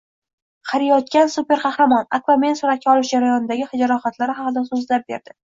Qariyotgan superqahramon: Akvamen suratga olish jarayonidagi jarohatlari haqida so‘zlab berdi